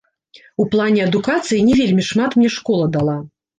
У плане адукацыі не вельмі шмат мне школа дала.